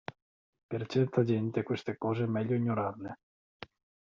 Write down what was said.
Per certa gente queste cose è meglio ignorarle.